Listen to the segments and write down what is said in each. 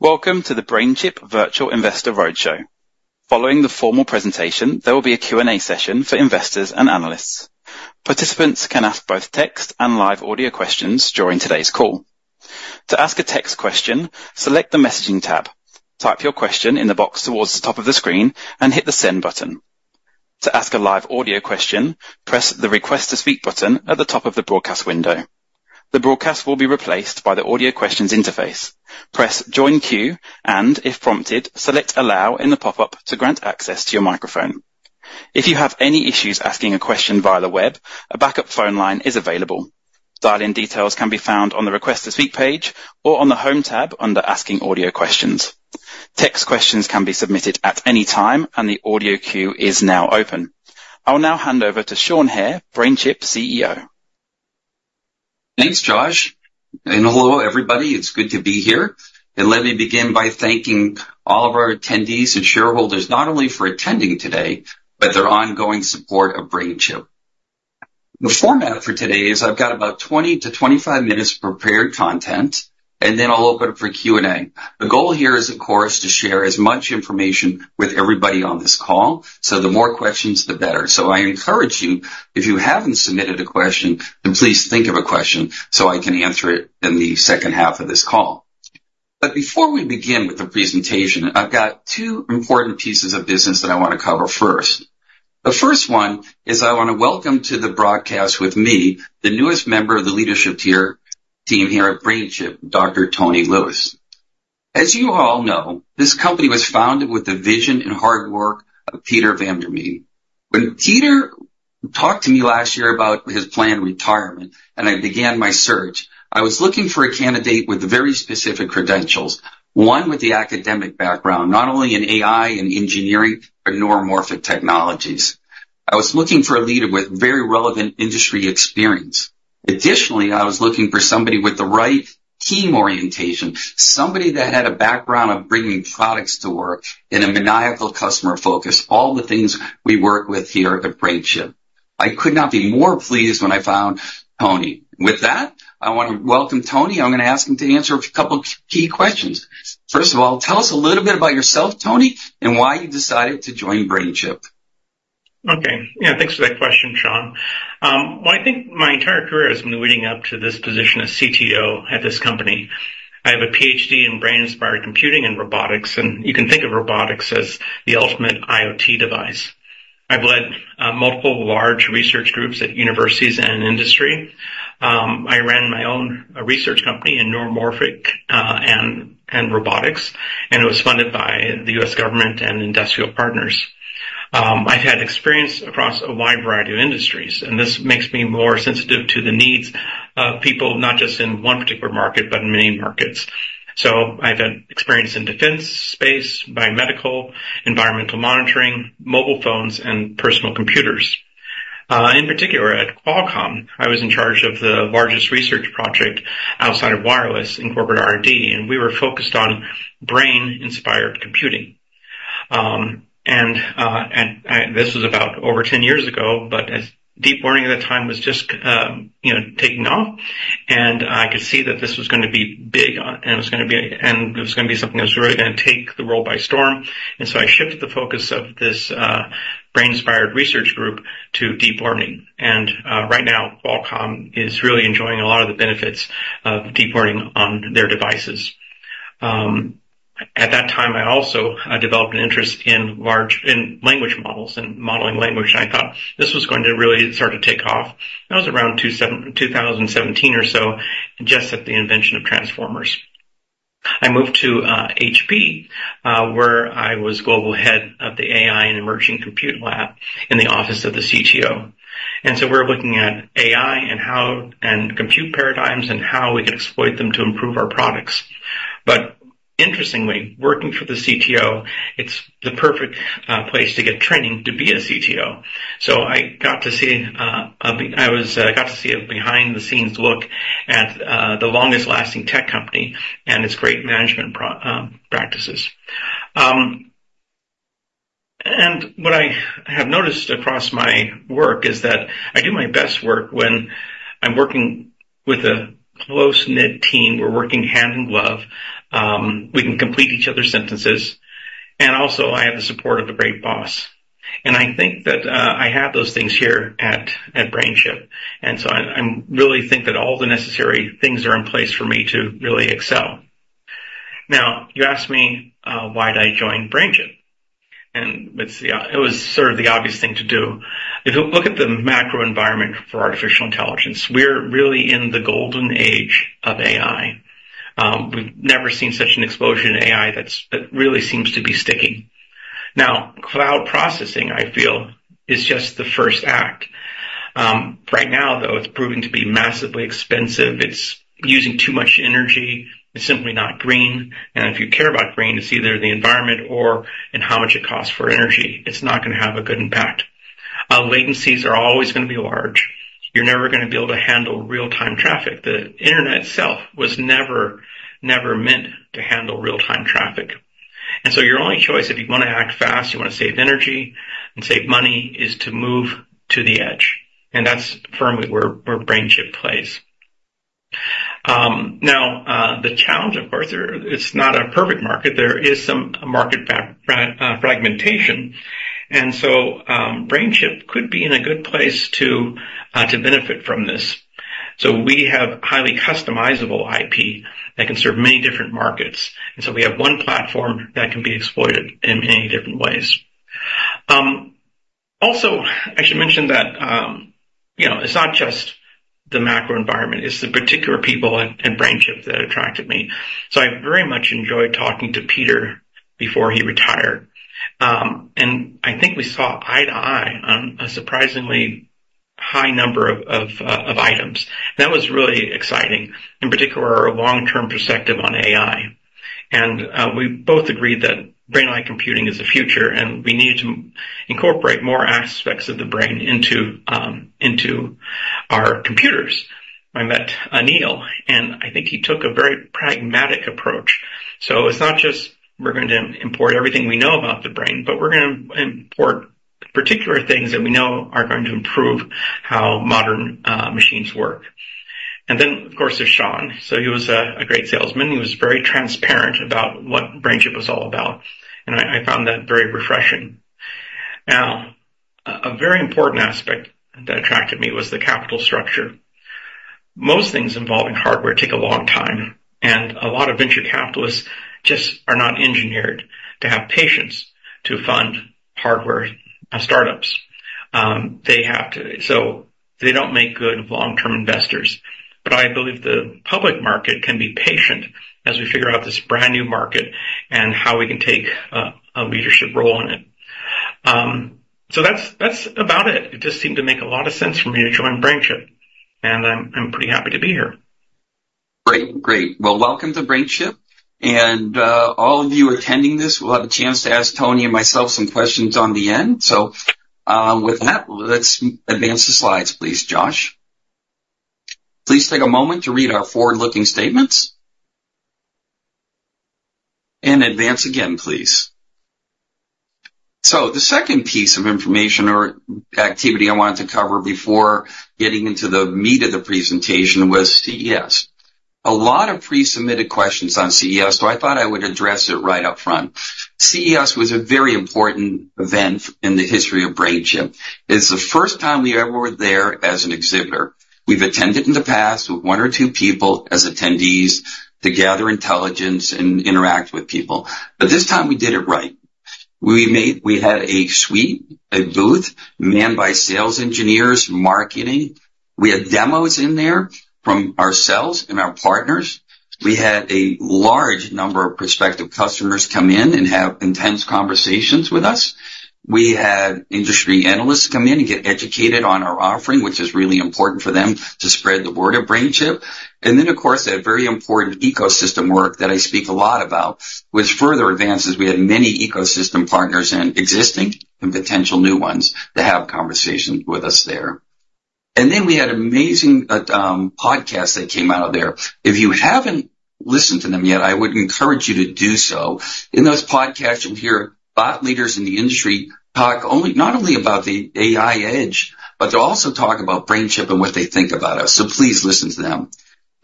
Welcome to the BrainChip Virtual Investor Roadshow. Following the formal presentation, there will be a Q&A session for investors and analysts. Participants can ask both text and live audio questions during today's call. To ask a text question, select the Messaging tab, type your question in the box towards the top of the screen, and hit the Send button. To ask a live audio question, press the Request to Speak button at the top of the broadcast window. The broadcast will be replaced by the Audio Questions interface. Press Join Queue and, if prompted, select Allow in the pop-up to grant access to your microphone. If you have any issues asking a question via the web, a backup phone line is available. Dial-in details can be found on the Request to Speak page or on the Home tab under Asking Audio Questions. Text questions can be submitted at any time, and the audio queue is now open. I will now hand over to Sean Hehir, BrainChip CEO. Thanks, Josh. Hello, everybody. It's good to be here. Let me begin by thanking all of our attendees and shareholders not only for attending today but their ongoing support of BrainChip. The format for today is I've got about 20-25 minutes of prepared content, and then I'll open up for Q&A. The goal here is, of course, to share as much information with everybody on this call, so the more questions, the better. I encourage you, if you haven't submitted a question, to please think of a question so I can answer it in the second half of this call. But before we begin with the presentation, I've got two important pieces of business that I want to cover first. The first one is I want to welcome to the broadcast with me, the newest member of the leadership team here at BrainChip, Dr. Tony Lewis. As you all know, this company was founded with the vision and hard work of Peter van der Made. When Peter talked to me last year about his planned retirement and I began my search, I was looking for a candidate with very specific credentials, one with the academic background not only in AI and engineering but neuromorphic technologies. I was looking for a leader with very relevant industry experience. Additionally, I was looking for somebody with the right team orientation, somebody that had a background of bringing products to work and a maniacal customer focus, all the things we work with here at BrainChip. I could not be more pleased when I found Tony. With that, I want to welcome Tony. I'm going to ask him to answer a couple of key questions. First of all, tell us a little bit about yourself, Tony, and why you decided to join BrainChip? Okay. Yeah, thanks for that question, Sean. Well, I think my entire career has been leading up to this position as CTO at this company. I have a Ph.D. in brain-inspired computing and robotics, and you can think of robotics as the ultimate IoT device. I've led multiple large research groups at universities and industry. I ran my own research company in neuromorphic and robotics, and it was funded by the U.S. government and industrial partners. I've had experience across a wide variety of industries, and this makes me more sensitive to the needs of people not just in one particular market but in many markets. So I've had experience in defense space, biomedical, environmental monitoring, mobile phones, and personal computers. In particular, at Qualcomm, I was in charge of the largest research project outside of wireless in corporate R&D, and we were focused on brain-inspired computing. This was about over 10 years ago, but deep learning at the time was just taking off. I could see that this was going to be big, and it was going to be something that was really going to take the role by storm. So I shifted the focus of this brain-inspired research group to deep learning. Right now, Qualcomm is really enjoying a lot of the benefits of deep learning on their devices. At that time, I also developed an interest in language models and modeling language, and I thought this was going to really start to take off. That was around 2017 or so, just at the invention of transformers. I moved to HP, where I was global head of the AI and Emerging Compute Lab in the office of the CTO. And so we're looking at AI and compute paradigms and how we could exploit them to improve our products. But interestingly, working for the CTO, it's the perfect place to get training to be a CTO. So I got to see a behind-the-scenes look at the longest-lasting tech company and its great management practices. And what I have noticed across my work is that I do my best work when I'm working with a close-knit team. We're working hand in glove. We can complete each other's sentences. And also, I have the support of a great boss. And I think that I have those things here at BrainChip. And so I really think that all the necessary things are in place for me to really excel. Now, you asked me why did I join BrainChip, and it was sort of the obvious thing to do. If you look at the macro environment for artificial intelligence, we're really in the golden age of AI. We've never seen such an explosion in AI that really seems to be sticking. Now, cloud processing, I feel, is just the first act. Right now, though, it's proving to be massively expensive. It's using too much energy. It's simply not green. And if you care about green, it's either the environment or in how much it costs for energy. It's not going to have a good impact. Latencies are always going to be large. You're never going to be able to handle real-time traffic. The internet itself was never meant to handle real-time traffic. And so your only choice, if you want to act fast, you want to save energy and save money, is to move to the edge. And that's firmly where BrainChip plays. Now, the challenge, of course, it's not a perfect market. There is some market fragmentation. And so BrainChip could be in a good place to benefit from this. So we have highly customizable IP that can serve many different markets. And so we have one platform that can be exploited in many different ways. Also, I should mention that it's not just the macro environment. It's the particular people at BrainChip that attracted me. So I very much enjoyed talking to Peter before he retired. And I think we saw eye to eye on a surprisingly high number of items. That was really exciting, in particular, our long-term perspective on AI. And we both agreed that brain-like computing is the future, and we needed to incorporate more aspects of the brain into our computers. I met Anil, and I think he took a very pragmatic approach. So it's not just we're going to import everything we know about the brain, but we're going to import particular things that we know are going to improve how modern machines work. Then, of course, there's Sean. So he was a great salesman. He was very transparent about what BrainChip was all about, and I found that very refreshing. Now, a very important aspect that attracted me was the capital structure. Most things involving hardware take a long time, and a lot of venture capitalists just are not engineered to have patience to fund hardware startups. So they don't make good long-term investors. But I believe the public market can be patient as we figure out this brand new market and how we can take a leadership role in it. So that's about it. It just seemed to make a lot of sense for me to join BrainChip, and I'm pretty happy to be here. Great. Great. Well, welcome to BrainChip. And all of you attending this will have a chance to ask Tony and myself some questions on the end. So with that, let's advance the slides, please, Josh. Please take a moment to read our forward-looking statements. And advance again, please. So the second piece of information or activity I wanted to cover before getting into the meat of the presentation was CES. A lot of presubmitted questions on CES, so I thought I would address it right up front. CES was a very important event in the history of BrainChip. It's the first time we ever were there as an exhibitor. We've attended in the past with one or two people as attendees to gather intelligence and interact with people. But this time, we did it right. We had a suite, a booth, manned by sales engineers, marketing. We had demos in there from ourselves and our partners. We had a large number of prospective customers come in and have intense conversations with us. We had industry analysts come in and get educated on our offering, which is really important for them to spread the word of BrainChip. And then, of course, that very important ecosystem work that I speak a lot about with further advances. We had many ecosystem partners existing and potential new ones that have conversations with us there. And then we had amazing podcasts that came out of there. If you haven't listened to them yet, I would encourage you to do so. In those podcasts, you'll hear thought leaders in the industry talk not only about the AI edge, but they also talk about BrainChip and what they think about us. So please listen to them.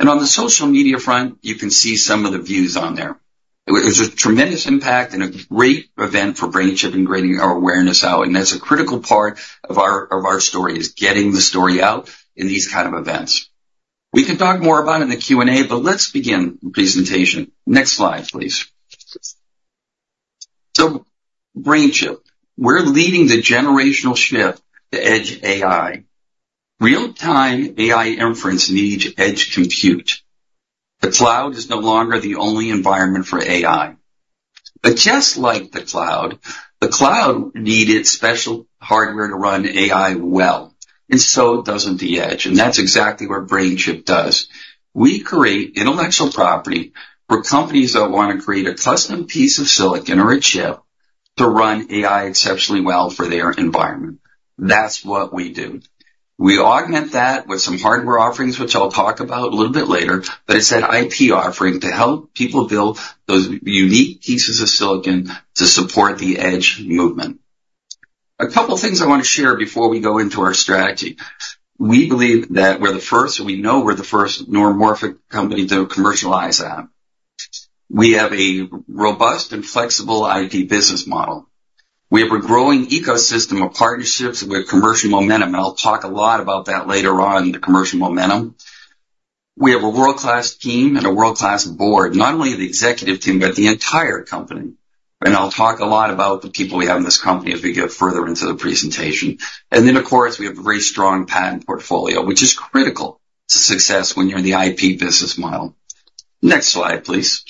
On the social media front, you can see some of the views on there. It was a tremendous impact and a great event for BrainChip and getting our awareness out. That's a critical part of our story, is getting the story out in these kind of events. We can talk more about it in the Q&A, but let's begin the presentation. Next slide, please. BrainChip, we're leading the generational shift to edge AI. Real-time AI inference needs edge compute. The cloud is no longer the only environment for AI. But just like the cloud, the cloud needed special hardware to run AI well, and so doesn't the edge. That's exactly what BrainChip does. We create intellectual property for companies that want to create a custom piece of silicon or a chip to run AI exceptionally well for their environment. That's what we do. We augment that with some hardware offerings, which I'll talk about a little bit later, but it's that IP offering to help people build those unique pieces of silicon to support the edge movement. A couple of things I want to share before we go into our strategy. We believe that we're the first, and we know we're the first neuromorphic company to commercialize that. We have a robust and flexible IP business model. We have a growing ecosystem of partnerships with commercial momentum. I'll talk a lot about that later on, the commercial momentum. We have a world-class team and a world-class board, not only the executive team, but the entire company. I'll talk a lot about the people we have in this company as we get further into the presentation. And then, of course, we have a very strong patent portfolio, which is critical to success when you're in the IP business model. Next slide, please.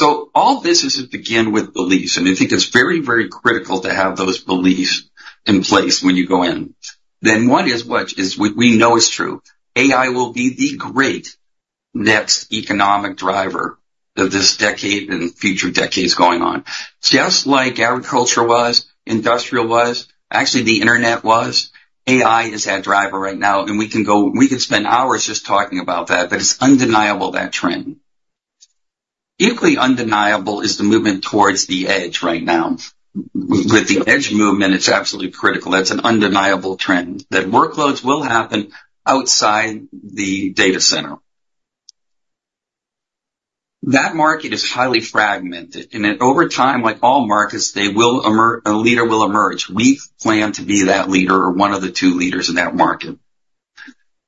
All this is to begin with beliefs. I think it's very, very critical to have those beliefs in place when you go in. One is what we know is true. AI will be the great next economic driver of this decade and future decades going on. Just like agriculture was, industrial was, actually, the internet was, AI is that driver right now. We can spend hours just talking about that, but it's undeniable, that trend. Equally undeniable is the movement towards the edge right now. With the edge movement, it's absolutely critical. That's an undeniable trend that workloads will happen outside the data center. That market is highly fragmented. Over time, like all markets, a leader will emerge. We plan to be that leader or one of the two leaders in that market.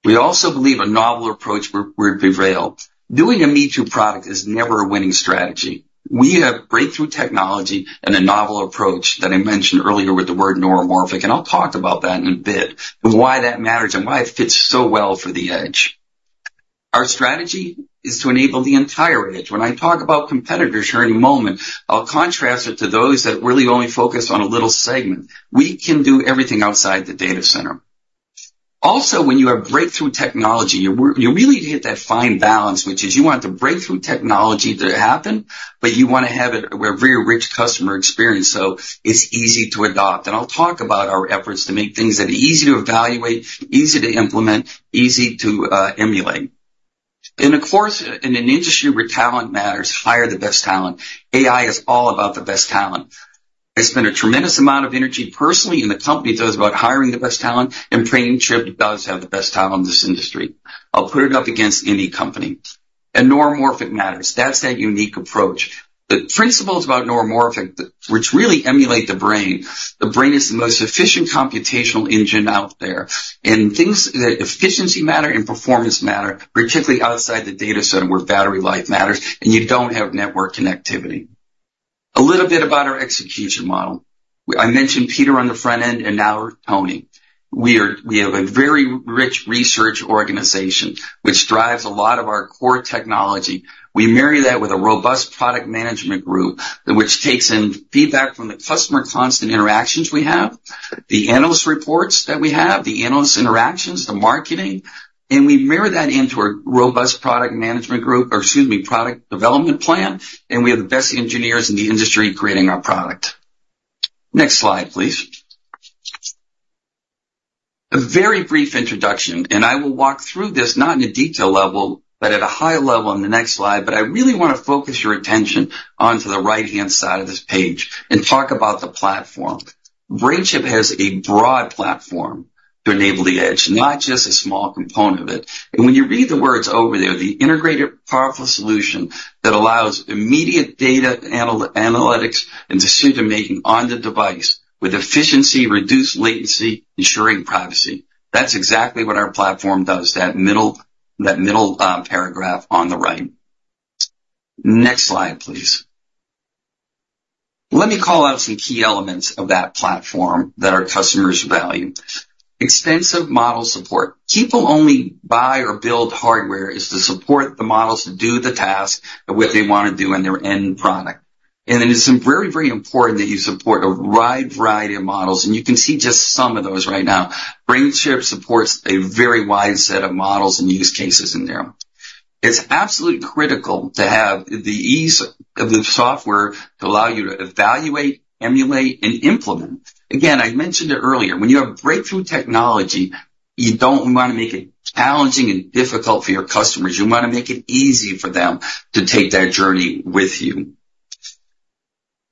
We also believe a novel approach would prevail. Doing a me-too product is never a winning strategy. We have breakthrough technology and a novel approach that I mentioned earlier with the word neuromorphic. I'll talk about that in a bit and why that matters and why it fits so well for the edge. Our strategy is to enable the entire edge. When I talk about competitors here in a moment, I'll contrast it to those that really only focus on a little segment. We can do everything outside the data center. Also, when you have breakthrough technology, you really need to hit that fine balance, which is you want the breakthrough technology to happen, but you want to have it where very rich customer experience so it's easy to adopt. I'll talk about our efforts to make things that are easy to evaluate, easy to implement, easy to emulate. Of course, in an industry where talent matters, hire the best talent. AI is all about the best talent. I spend a tremendous amount of energy personally in the company that's about hiring the best talent. BrainChip does have the best talent in this industry. I'll put it up against any company. Neuromorphic matters. That's that unique approach. The principles about neuromorphic, which really emulate the brain, the brain is the most efficient computational engine out there. Things that efficiency matter and performance matter, particularly outside the data center where battery life matters, and you don't have network connectivity. A little bit about our execution model. I mentioned Peter on the front end, and now Tony. We have a very rich research organization, which drives a lot of our core technology. We marry that with a robust product management group, which takes in feedback from the customer constant interactions we have, the analyst reports that we have, the analyst interactions, the marketing. We mirror that into a robust product management group or, excuse me, product development plan. We have the best engineers in the industry creating our product. Next slide, please. A very brief introduction. I will walk through this not in a detail level, but at a high level on the next slide. But I really want to focus your attention onto the right-hand side of this page and talk about the platform. BrainChip has a broad platform to enable the edge, not just a small component of it. When you read the words over there, the integrated, powerful solution that allows immediate data analytics and decision-making on the device with efficiency, reduced latency, ensuring privacy. That's exactly what our platform does, that middle paragraph on the right. Next slide, please. Let me call out some key elements of that platform that our customers value. Extensive model support. People only buy or build hardware is to support the models to do the task with what they want to do and their end product. And then it's very, very important that you support a wide variety of models. And you can see just some of those right now. BrainChip supports a very wide set of models and use cases in there. It's absolutely critical to have the ease of the software to allow you to evaluate, emulate, and implement. Again, I mentioned it earlier. When you have breakthrough technology, you don't want to make it challenging and difficult for your customers. You want to make it easy for them to take that journey with you.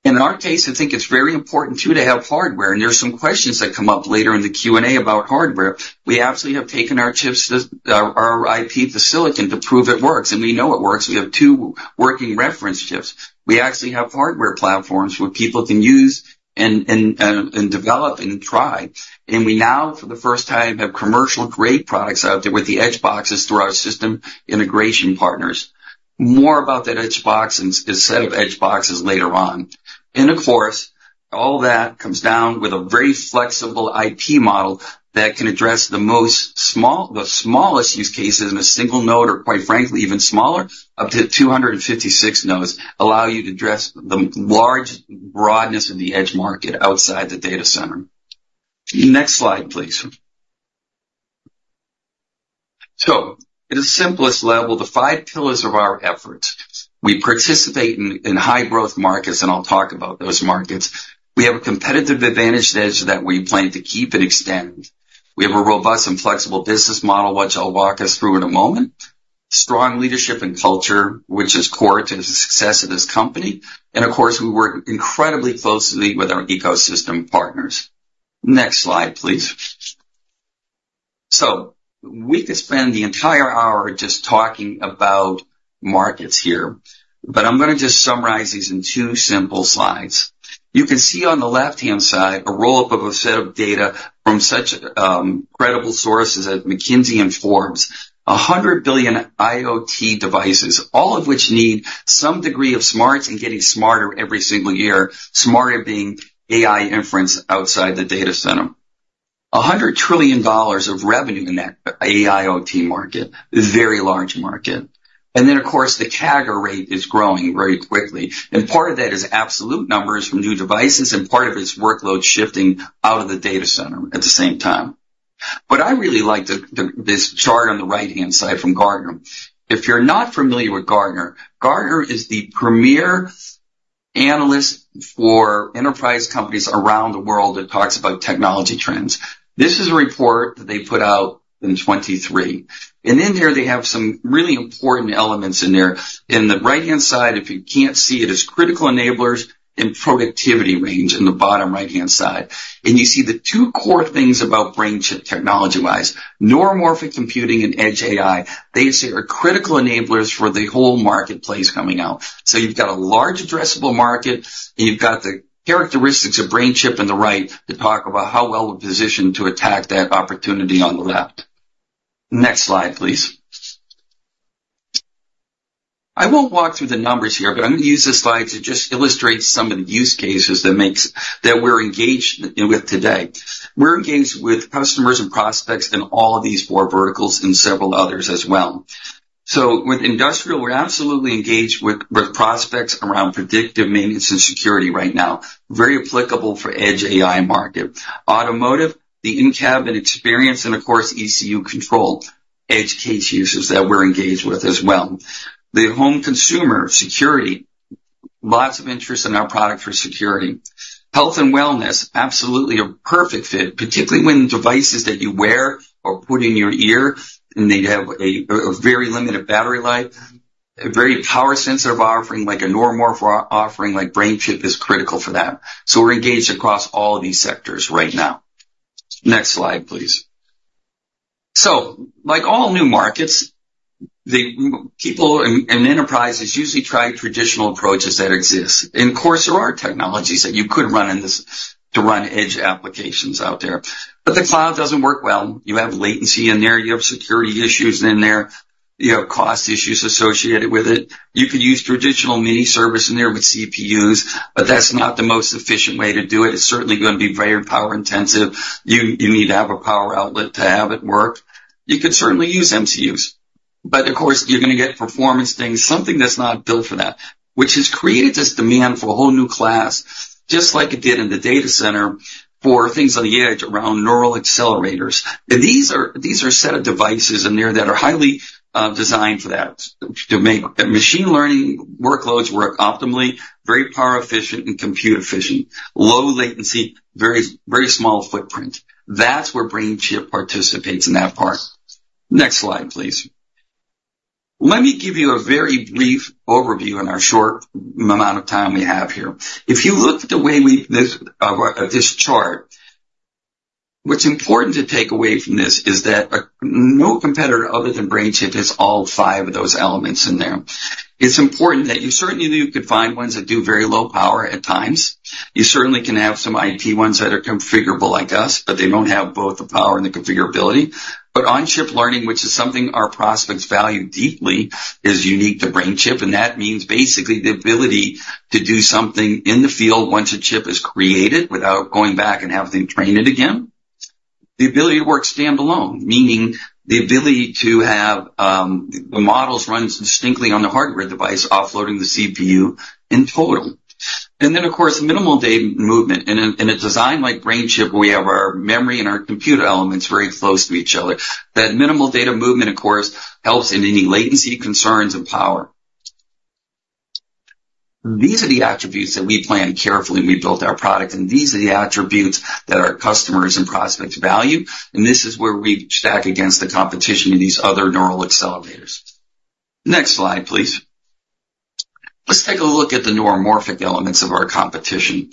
And in our case, I think it's very important, too, to have hardware. And there's some questions that come up later in the Q&A about hardware. We absolutely have taken our chips, our IP, the silicon, to prove it works. And we know it works. We have two working reference chips. We actually have hardware platforms where people can use and develop and try. And we now, for the first time, have commercial-grade products out there with the edge boxes through our system integration partners. More about that edge box and a set of edge boxes later on. Of course, all that comes down with a very flexible IP model that can address the smallest use cases in a single node or, quite frankly, even smaller, up to 256 nodes, allow you to address the large broadness of the edge market outside the data center. Next slide, please. So at the simplest level, the five pillars of our efforts. We participate in high-growth markets, and I'll talk about those markets. We have a competitive advantage that we plan to keep and extend. We have a robust and flexible business model, which I'll walk us through in a moment. Strong leadership and culture, which is core to the success of this company. And of course, we work incredibly closely with our ecosystem partners. Next slide, please. So we could spend the entire hour just talking about markets here. But I'm going to just summarize these in two simple slides. You can see on the left-hand side a roll-up of a set of data from such credible sources as McKinsey and Forbes, 100 billion IoT devices, all of which need some degree of smarts and getting smarter every single year, smarter being AI inference outside the data center. $100 trillion of revenue in that AI/IoT market, very large market. And then, of course, the CAGR rate is growing very quickly. And part of that is absolute numbers from new devices and part of its workload shifting out of the data center at the same time. But I really like this chart on the right-hand side from Gartner. If you're not familiar with Gartner, Gartner is the premier analyst for enterprise companies around the world that talks about technology trends. This is a report that they put out in 2023. In there, they have some really important elements in there. In the right-hand side, if you can't see it, it's critical enablers and productivity range in the bottom right-hand side. You see the two core things about BrainChip technology-wise, neuromorphic computing and edge AI, they say are critical enablers for the whole marketplace coming out. You've got a large addressable market, and you've got the characteristics of BrainChip on the right to talk about how well we're positioned to attack that opportunity on the left. Next slide, please. I won't walk through the numbers here, but I'm going to use the slides to just illustrate some of the use cases that we're engaged with today. We're engaged with customers and prospects in all of these four verticals and several others as well. So with industrial, we're absolutely engaged with prospects around predictive maintenance and security right now, very applicable for Edge AI market. Automotive, the in-cabin experience, and of course, ECU control, edge case users that we're engaged with as well. The home consumer security, lots of interest in our product for security. Health and wellness, absolutely a perfect fit, particularly when devices that you wear are put in your ear and they have a very limited battery life. A very power-sensitive offering, like a neuromorphic offering like BrainChip, is critical for that. So we're engaged across all these sectors right now. Next slide, please. So like all new markets, people and enterprises usually try traditional approaches that exist. Of course, there are technologies that you could run in this to run Edge AI applications out there. But the cloud doesn't work well. You have latency in there. You have security issues in there. You have cost issues associated with it. You could use traditional mini-servers in there with CPUs, but that's not the most efficient way to do it. It's certainly going to be very power-intensive. You need to have a power outlet to have it work. You could certainly use MCUs. But of course, you're going to get performance things, something that's not built for that, which has created this demand for a whole new class, just like it did in the data center, for things on the edge around neural accelerators. And these are a set of devices in there that are highly designed for that, to make machine learning workloads work optimally, very power-efficient and compute-efficient, low latency, very small footprint. That's where BrainChip participates in that part. Next slide, please. Let me give you a very brief overview in our short amount of time we have here. If you look at the way this chart, what's important to take away from this is that no competitor other than BrainChip has all five of those elements in there. It's important that you certainly know you could find ones that do very low power at times. You certainly can have some IP ones that are configurable like us, but they don't have both the power and the configurability. But on-chip learning, which is something our prospects value deeply, is unique to BrainChip. And that means basically the ability to do something in the field once a chip is created without going back and having to train it again. The ability to work standalone, meaning the ability to have the models run distinctly on the hardware device, offloading the CPU in total. Then, of course, minimal data movement. In a design like BrainChip, where we have our memory and our computer elements very close to each other, that minimal data movement, of course, helps in any latency concerns and power. These are the attributes that we plan carefully when we build our product. These are the attributes that our customers and prospects value. This is where we stack against the competition of these other neural accelerators. Next slide, please. Let's take a look at the neuromorphic elements of our competition.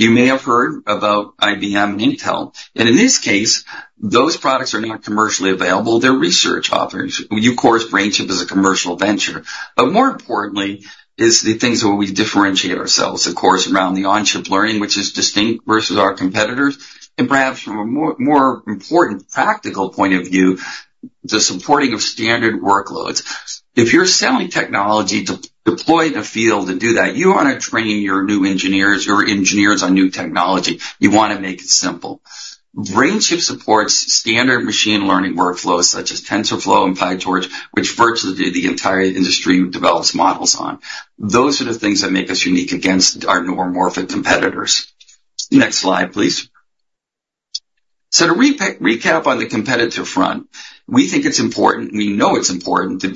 You may have heard about IBM and Intel. In this case, those products are not commercially available. They're research offerings. Of course, BrainChip is a commercial venture. But more importantly, is the things where we differentiate ourselves, of course, around the on-chip learning, which is distinct versus our competitors. Perhaps from a more important practical point of view, the supporting of standard workloads. If you're selling technology to deploy in a field to do that, you want to train your new engineers or engineers on new technology. You want to make it simple. BrainChip supports standard machine learning workflows such as TensorFlow and PyTorch, which virtually the entire industry develops models on. Those are the things that make us unique against our neuromorphic competitors. Next slide, please. To recap on the competitor front, we think it's important. We know it's important to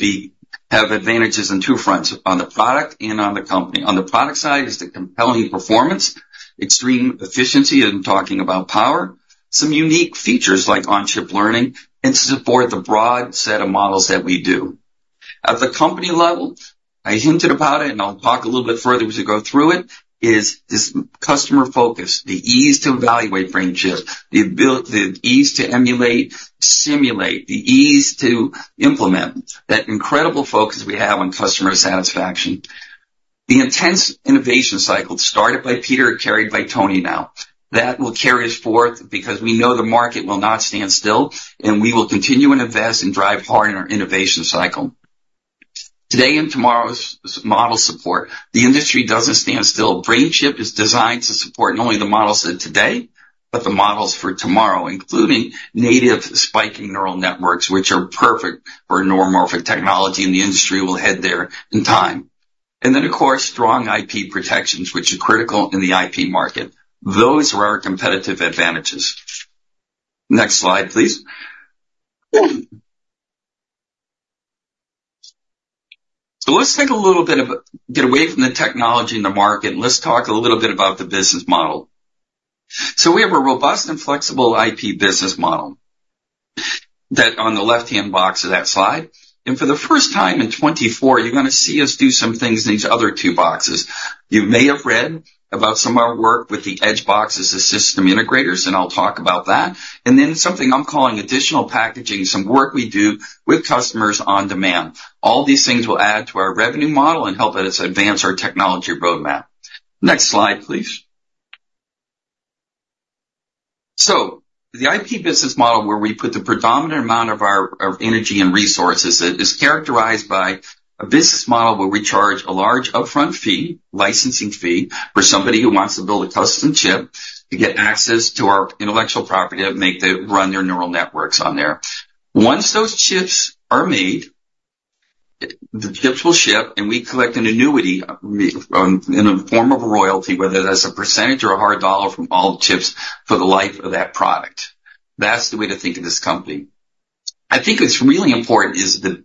have advantages on two fronts, on the product and on the company. On the product side is the compelling performance, extreme efficiency, and talking about power, some unique features like on-chip learning, and to support the broad set of models that we do. At the company level, I hinted about it, and I'll talk a little bit further as we go through it. This customer focus, the ease to evaluate BrainChip, the ease to emulate, simulate, the ease to implement, that incredible focus we have on customer satisfaction. The intense innovation cycle started by Peter and carried by Tony now. That will carry us forth because we know the market will not stand still, and we will continue and invest and drive hard in our innovation cycle. Today and tomorrow's model support, the industry doesn't stand still. BrainChip is designed to support not only the models of today, but the models for tomorrow, including native spiking neural networks, which are perfect for neuromorphic technology, and the industry will head there in time. And then, of course, strong IP protections, which are critical in the IP market. Those are our competitive advantages. Next slide, please. So let's take a little bit and get away from the technology in the market, and let's talk a little bit about the business model. So we have a robust and flexible IP business model that's on the left-hand box of that slide. And for the first time in 2024, you're going to see us do some things in these other two boxes. You may have read about some of our work with the edge boxes as system integrators, and I'll talk about that. And then something I'm calling additional packaging, some work we do with customers on demand. All these things will add to our revenue model and help us advance our technology roadmap. Next slide, please. The IP business model where we put the predominant amount of our energy and resources is characterized by a business model where we charge a large upfront fee, licensing fee, for somebody who wants to build a custom chip to get access to our intellectual property to run their neural networks on there. Once those chips are made, the chips will ship, and we collect an annuity in the form of a royalty, whether that's a percentage or a hard dollar from all the chips for the life of that product. That's the way to think of this company. I think what's really important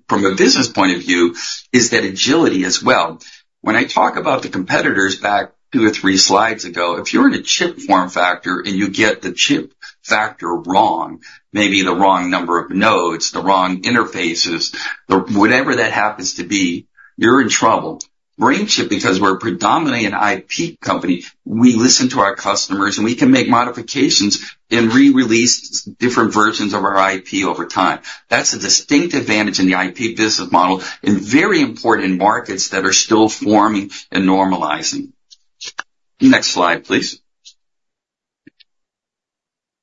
from a business point of view is that agility as well. When I talk about the competitors back two or three slides ago, if you're in a chip form factor and you get the chip factor wrong, maybe the wrong number of nodes, the wrong interfaces, whatever that happens to be, you're in trouble. BrainChip, because we're predominantly an IP company, we listen to our customers, and we can make modifications and rerelease different versions of our IP over time. That's a distinct advantage in the IP business model and very important in markets that are still forming and normalizing. Next slide, please.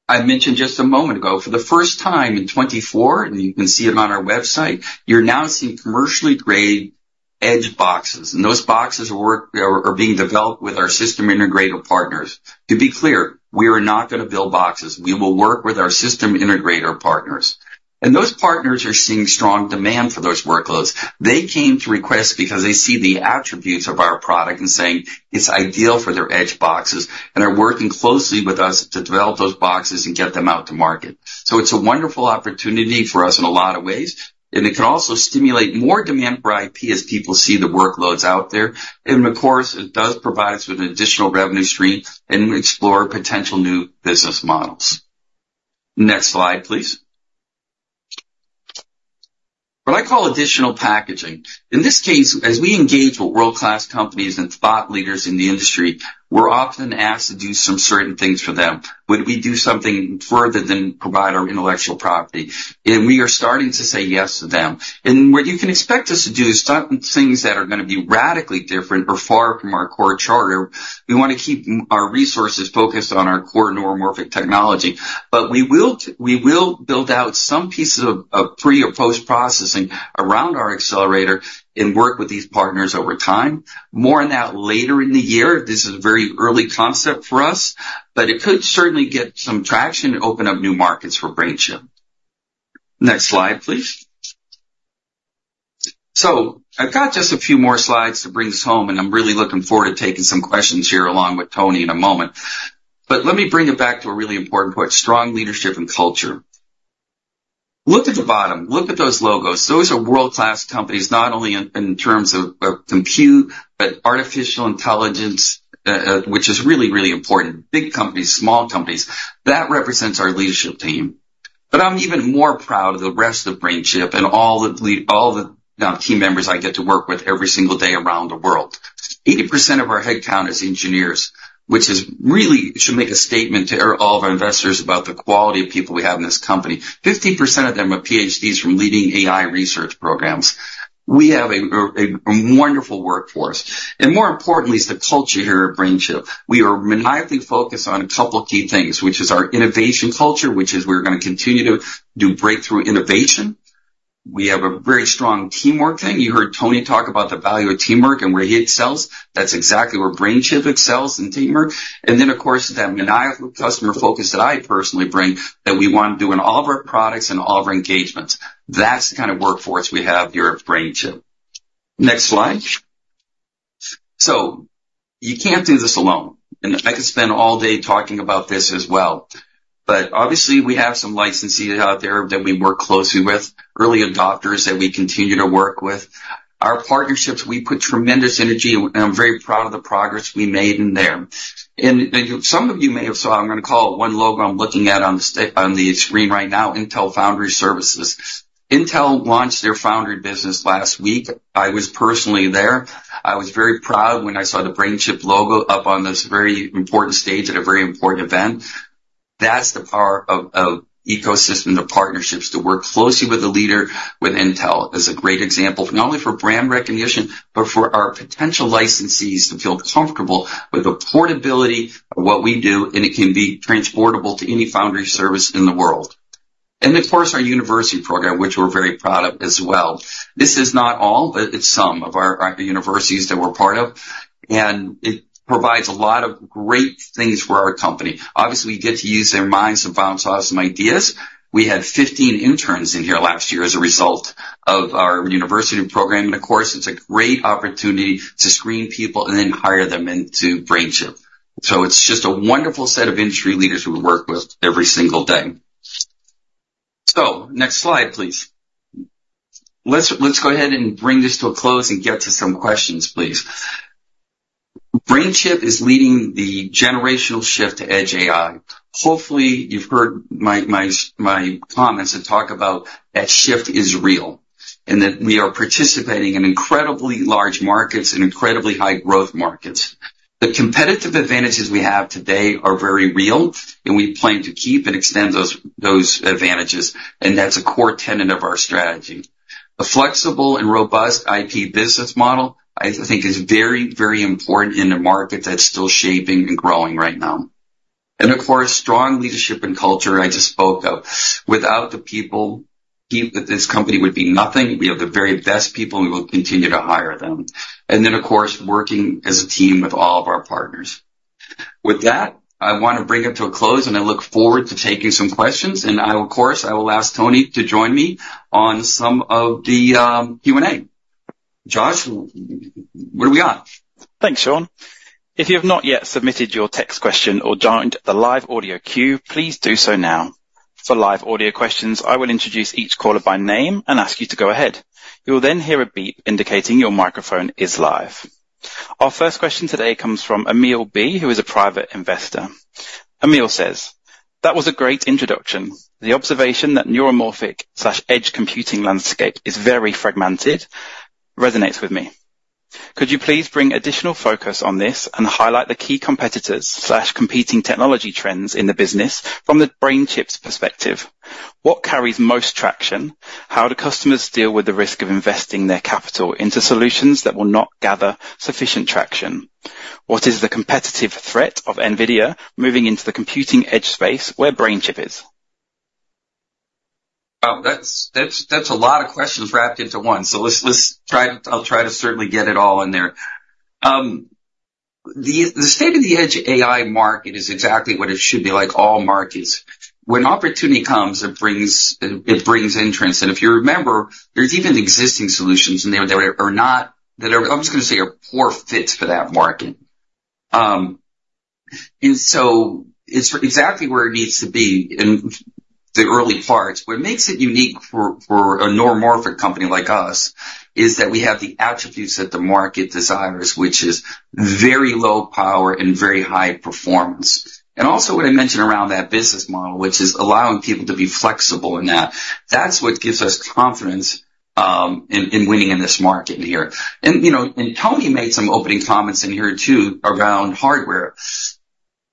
I mentioned just a moment ago, for the first time in 2024, and you can see it on our website, you're now seeing commercially-grade edge boxes. Those boxes are being developed with our system integrator partners. To be clear, we are not going to build boxes. We will work with our system integrator partners. And those partners are seeing strong demand for those workloads. They came to request because they see the attributes of our product and saying it's ideal for their edge boxes, and are working closely with us to develop those boxes and get them out to market. So it's a wonderful opportunity for us in a lot of ways. And it can also stimulate more demand for IP as people see the workloads out there. And of course, it does provide us with an additional revenue stream and explore potential new business models. Next slide, please. What I call additional packaging. In this case, as we engage with world-class companies and thought leaders in the industry, we're often asked to do some certain things for them. Would we do something further than provide our intellectual property? And we are starting to say yes to them. What you can expect us to do is some things that are going to be radically different or far from our core charter. We want to keep our resources focused on our core neuromorphic technology. We will build out some pieces of pre or post-processing around our accelerator and work with these partners over time. More on that later in the year. This is a very early concept for us, but it could certainly get some traction and open up new markets for BrainChip. Next slide, please. I've got just a few more slides to bring us home, and I'm really looking forward to taking some questions here along with Tony in a moment. Let me bring it back to a really important point, strong leadership and culture. Look at the bottom. Look at those logos. Those are world-class companies, not only in terms of compute, but artificial intelligence, which is really, really important, big companies, small companies. That represents our leadership team. But I'm even more proud of the rest of BrainChip and all the team members I get to work with every single day around the world. 80% of our headcount is engineers, which really should make a statement to all of our investors about the quality of people we have in this company. 50% of them are PhDs from leading AI research programs. We have a wonderful workforce. And more importantly, is the culture here at BrainChip. We are maniacally focused on a couple of key things, which is our innovation culture, which is we're going to continue to do breakthrough innovation. We have a very strong teamwork thing. You heard Tony talk about the value of teamwork and where he excels. That's exactly where BrainChip excels in teamwork. And then, of course, that maniacal customer focus that I personally bring that we want to do in all of our products and all of our engagements. That's the kind of workforce we have here at BrainChip. Next slide. You can't do this alone. And I could spend all day talking about this as well. But obviously, we have some licensees out there that we work closely with, early adopters that we continue to work with. Our partnerships, we put tremendous energy, and I'm very proud of the progress we made in there. And some of you may have saw, I'm going to call it one logo I'm looking at on the screen right now, Intel Foundry Services. Intel launched their foundry business last week. I was personally there. I was very proud when I saw the BrainChip logo up on this very important stage at a very important event. That's the power of ecosystems, the partnerships, to work closely with a leader with Intel is a great example, not only for brand recognition, but for our potential licensees to feel comfortable with the portability of what we do, and it can be transportable to any foundry service in the world. And of course, our university program, which we're very proud of as well. This is not all, but it's some of our universities that we're part of. And it provides a lot of great things for our company. Obviously, we get to use their minds and bounce off some ideas. We had 15 interns in here last year as a result of our university program. Of course, it's a great opportunity to screen people and then hire them into BrainChip. It's just a wonderful set of industry leaders who we work with every single day. Next slide, please. Let's go ahead and bring this to a close and get to some questions, please. BrainChip is leading the generational shift to edge AI. Hopefully, you've heard my comments that talk about that shift is real and that we are participating in incredibly large markets and incredibly high-growth markets. The competitive advantages we have today are very real, and we plan to keep and extend those advantages. That's a core tenet of our strategy. A flexible and robust IP business model, I think, is very, very important in a market that's still shaping and growing right now. Of course, strong leadership and culture I just spoke of. Without the people, this company would be nothing. We have the very best people, and we will continue to hire them. Then, of course, working as a team with all of our partners. With that, I want to bring it to a close, and I look forward to taking some questions. Of course, I will ask Tony to join me on some of the Q&A. Josh, where are we at? Thanks, Sean. If you have not yet submitted your text question or joined the live audio queue, please do so now. For live audio questions, I will introduce each caller by name and ask you to go ahead. You will then hear a beep indicating your microphone is live. Our first question today comes from Emil B., who is a private investor. Emil says, "That was a great introduction. The observation that neuromorphic/edge computing landscape is very fragmented resonates with me. Could you please bring additional focus on this and highlight the key competitors/competing technology trends in the business from the BrainChip's perspective? What carries most traction? How do customers deal with the risk of investing their capital into solutions that will not gather sufficient traction? What is the competitive threat of NVIDIA moving into the computing edge space where BrainChip is?" Wow, that's a lot of questions wrapped into one. So I'll try to certainly get it all in there. The state of the Edge AI market is exactly what it should be like, all markets. When opportunity comes, it brings interest. And if you remember, there's even existing solutions that are not, I'm just going to say, a poor fit for that market. And so it's exactly where it needs to be in the early parts. What makes it unique for a neuromorphic company like us is that we have the attributes that the market desires, which is very low power and very high performance. And also what I mentioned around that business model, which is allowing people to be flexible in that. That's what gives us confidence in winning in this market in here. And Tony made some opening comments in here too around hardware.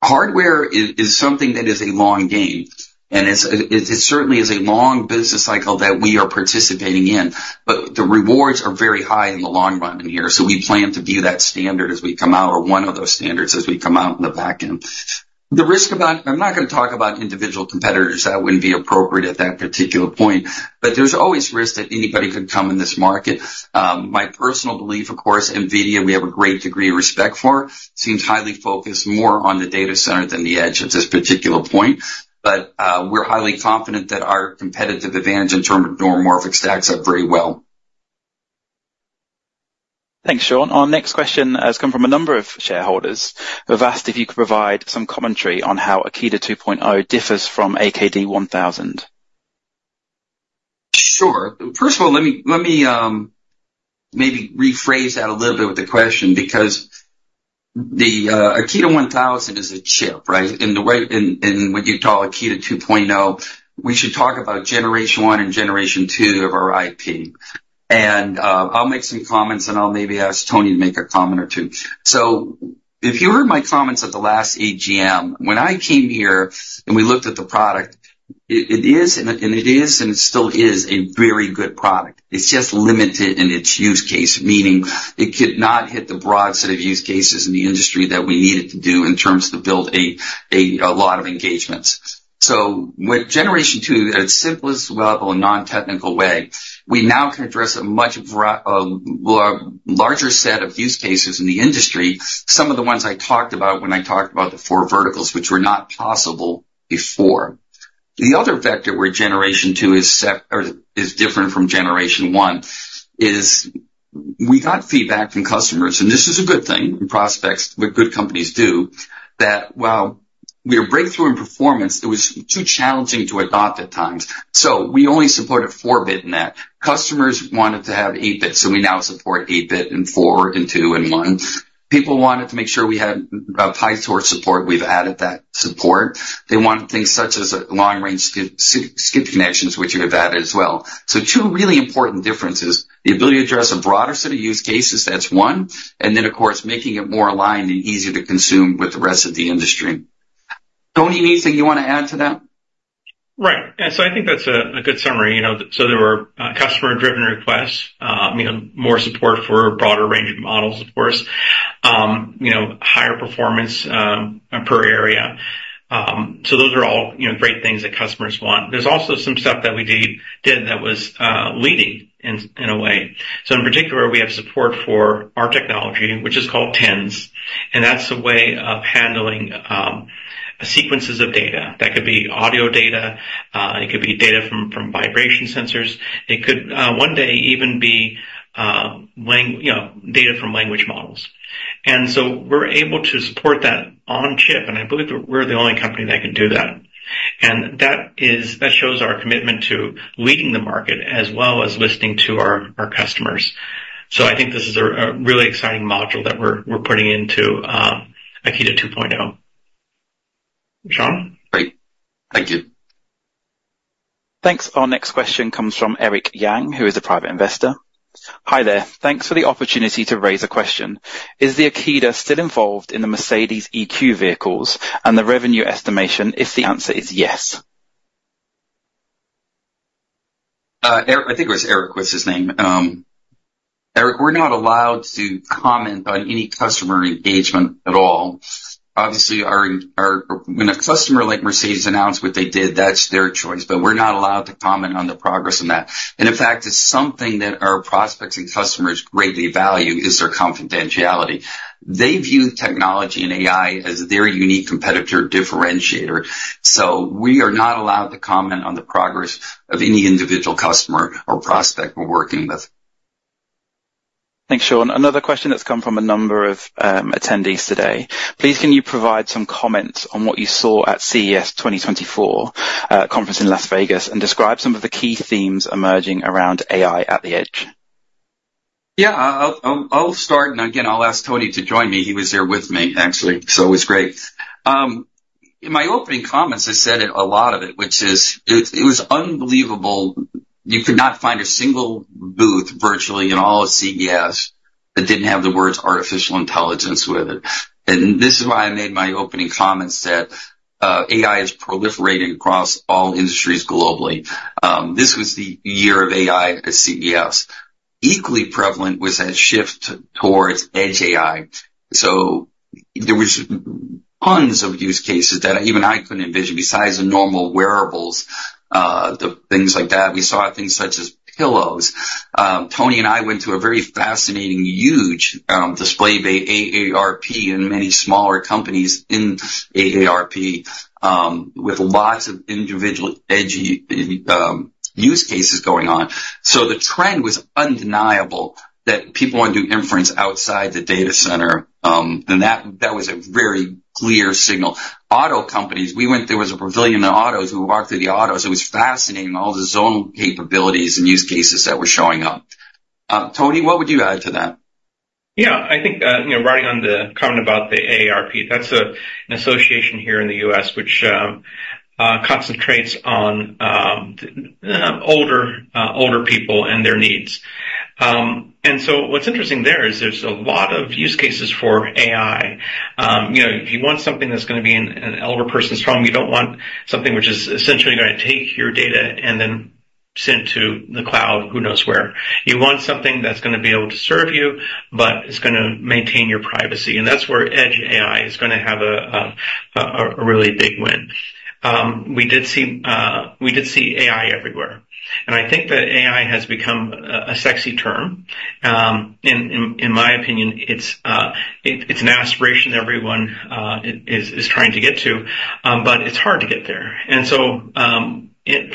Hardware is something that is a long game. And it certainly is a long business cycle that we are participating in. But the rewards are very high in the long run in here. So we plan to view that standard as we come out, or one of those standards as we come out in the backend. The risk about, I'm not going to talk about individual competitors. That wouldn't be appropriate at that particular point. But there's always risk that anybody could come in this market. My personal belief, of course, NVIDIA, we have a great degree of respect for, seems highly focused more on the data center than the edge at this particular point. But we're highly confident that our competitive advantage in terms of neuromorphic stacks up very well. Thanks, Sean. Our next question has come from a number of shareholders. They've asked if you could provide some commentary on how Akida 2.0 differs from AKD1000. Sure. First of all, let me maybe rephrase that a little bit with the question because the Akida 1000 is a chip, right? And when you call Akida 2.0, we should talk about generation 1 and generation 2 of our IP. And I'll make some comments, and I'll maybe ask Tony to make a comment or two. So if you heard my comments at the last AGM, when I came here and we looked at the product, it is, and it is, and it still is a very good product. It's just limited in its use case, meaning it could not hit the broad set of use cases in the industry that we needed to do in terms to build a lot of engagements. So with generation 2, at its simplest level and non-technical way, we now can address a much larger set of use cases in the industry, some of the ones I talked about when I talked about the four verticals, which were not possible before. The other vector where generation 2 is different from generation 1 is we got feedback from customers, and this is a good thing, and prospects with good companies do, that while we are a breakthrough in performance, it was too challenging to adopt at times. So we only supported 4-bit in that. Customers wanted to have 8-bit, so we now support 8-bit and 4 and 2 and 1. People wanted to make sure we had PyTorch support. We've added that support. They wanted things such as long-range skip connections, which we have added as well. Two really important differences, the ability to address a broader set of use cases, that's one. Then, of course, making it more aligned and easier to consume with the rest of the industry. Tony, anything you want to add to that? Right. I think that's a good summary. There were customer-driven requests, more support for a broader range of models, of course, higher performance per area. Those are all great things that customers want. There's also some stuff that we did that was leading in a way. In particular, we have support for our technology, which is called TENN. And that's a way of handling sequences of data. That could be audio data. It could be data from vibration sensors. It could one day even be data from language models. And so we're able to support that on-chip, and I believe we're the only company that can do that. And that shows our commitment to leading the market as well as listening to our customers. I think this is a really exciting module that we're putting into Akida 2.0. Sean? Great. Thank you. Thanks. Our next question comes from Eric Yang, who is a private investor. "Hi there. Thanks for the opportunity to raise a question. Is the Akida still involved in the Mercedes EQ vehicles and the revenue estimation if the answer is yes?" I think it was Eric was his name. Eric, we're not allowed to comment on any customer engagement at all. Obviously, when a customer like Mercedes announced what they did, that's their choice. But we're not allowed to comment on the progress on that. And in fact, it's something that our prospects and customers greatly value is their confidentiality. They view technology and AI as their unique competitor differentiator. So we are not allowed to comment on the progress of any individual customer or prospect we're working with. Thanks, Sean. Another question that's come from a number of attendees today. "Please, can you provide some comments on what you saw at CES 2024 conference in Las Vegas and describe some of the key themes emerging around AI at the edge?" Yeah. I'll start. And again, I'll ask Tony to join me. He was there with me, actually. So it was great. In my opening comments, I said a lot of it, which is it was unbelievable. You could not find a single booth virtually in all of CES that didn't have the words artificial intelligence with it. And this is why I made my opening comments that AI is proliferating across all industries globally. This was the year of AI at CES. Equally prevalent was that shift towards edge AI. So there was tons of use cases that even I couldn't envision besides the normal wearables, the things like that. We saw things such as pillows. Tony and I went to a very fascinating, huge display by AARP and many smaller companies in AARP with lots of individual edgy use cases going on. So the trend was undeniable that people want to do inference outside the data center. And that was a very clear signal. Auto companies, there was a pavilion in autos who walked through the autos. It was fascinating, all the zone capabilities and use cases that were showing up. Tony, what would you add to that? Yeah. I think riding on the comment about the AARP, that's an association here in the U.S., which concentrates on older people and their needs. And so what's interesting there is there's a lot of use cases for AI. If you want something that's going to be an elder person's home, you don't want something which is essentially going to take your data and then send to the cloud, who knows where. You want something that's going to be able to serve you, but it's going to maintain your privacy. And that's where Edge AI is going to have a really big win. We did see AI everywhere. And I think that AI has become a sexy term. In my opinion, it's an aspiration everyone is trying to get to, but it's hard to get there.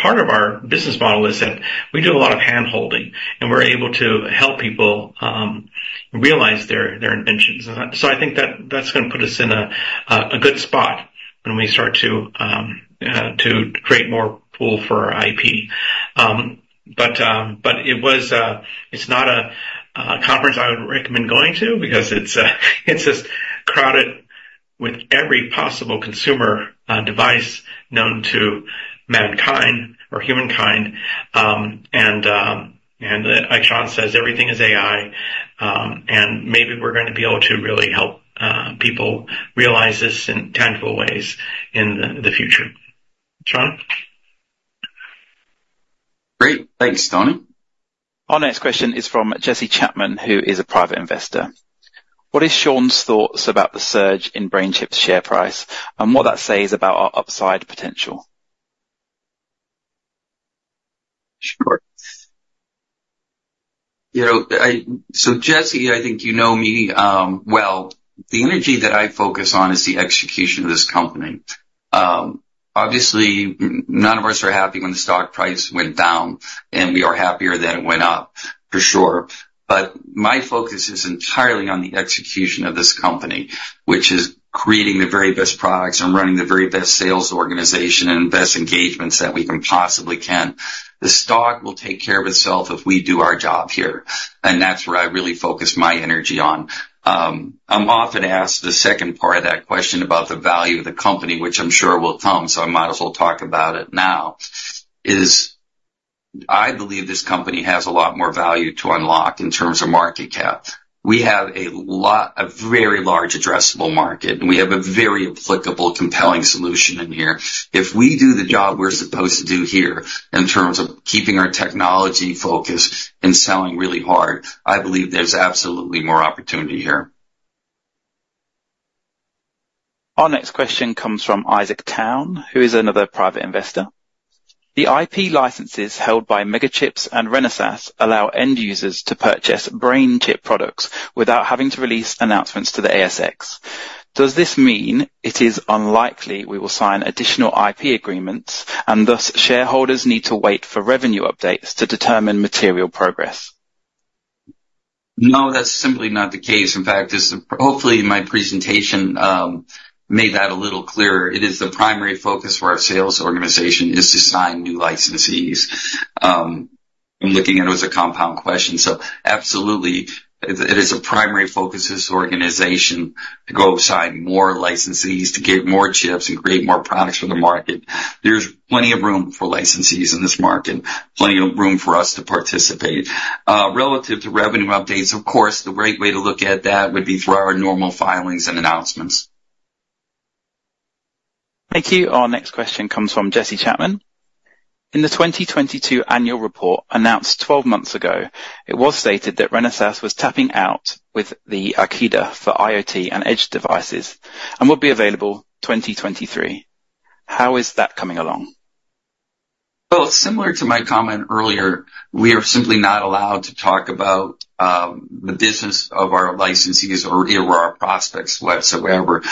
Part of our business model is that we do a lot of handholding, and we're able to help people realize their inventions. I think that's going to put us in a good spot when we start to create more pool for IP. But it's not a conference I would recommend going to because it's just crowded with every possible consumer device known to mankind or humankind. Like Sean says, everything is AI. Maybe we're going to be able to really help people realize this in tangible ways in the future. Sean? Great. Thanks, Tony. Our next question is from Jesse Chapman, who is a private investor. "What is Sean's thoughts about the surge in BrainChip's share price and what that says about our upside potential?" Sure. So Jesse, I think you know me well. The energy that I focus on is the execution of this company. Obviously, none of us are happy when the stock price went down, and we are happier that it went up, for sure. But my focus is entirely on the execution of this company, which is creating the very best products and running the very best sales organization and best engagements that we can possibly can. The stock will take care of itself if we do our job here. And that's where I really focus my energy on. I'm often asked the second part of that question about the value of the company, which I'm sure will come, so I might as well talk about it now, is I believe this company has a lot more value to unlock in terms of market cap. We have a very large addressable market, and we have a very applicable, compelling solution in here. If we do the job we're supposed to do here in terms of keeping our technology focused and selling really hard, I believe there's absolutely more opportunity here. Our next question comes from Isaac Town, who is another private investor. "The IP licenses held by MegaChips and Renesas allow end users to purchase BrainChip products without having to release announcements to the ASX. Does this mean it is unlikely we will sign additional IP agreements, and thus shareholders need to wait for revenue updates to determine material progress?" No, that's simply not the case. In fact, hopefully, my presentation made that a little clearer. It is the primary focus for our sales organization is to sign new licensees. I'm looking at it as a compound question. So absolutely, it is a primary focus of this organization to go sign more licensees, to get more chips, and create more products for the market. There's plenty of room for licensees in this market, plenty of room for us to participate. Relative to revenue updates, of course, the right way to look at that would be through our normal filings and announcements. Thank you. Our next question comes from Jesse Chapman. "In the 2022 annual report announced 12 months ago, it was stated that Renesas was taping out with the Akida for IoT and edge devices and would be available 2023. How is that coming along?" Well, similar to my comment earlier, we are simply not allowed to talk about the business of our licensees or our prospects whatsoever.